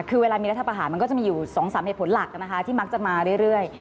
คือเวลามีรัฐประหารมันก็จะมีอยู่๒๓เหตุผลหลักนะคะที่มักจะมาเรื่อย